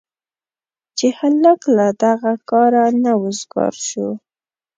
چې هلک له دغه کاره نه وزګار شو.